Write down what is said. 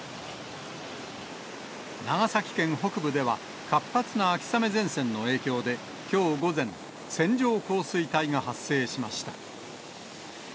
長崎県北部では、活発な秋雨前線の影響で、きょう午前、線状降水帯が発生しました。